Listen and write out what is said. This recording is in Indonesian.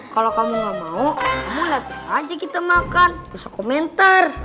kalau kamu gak mau kamu latihan aja kita makan susah komentar